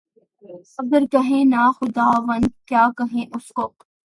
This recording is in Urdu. اگر کہیں نہ خداوند، کیا کہیں اُس کو؟